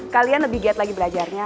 kalian lebih giat lagi belajarnya